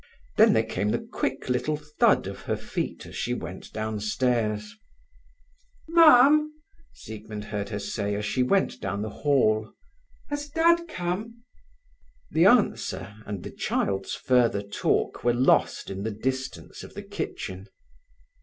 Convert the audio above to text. Then there came the quick little thud of her feet as she went downstairs. "Mam," Siegmund heard her say as she went down the hall, "has dad come?" The answer and the child's further talk were lost in the distance of the kitchen.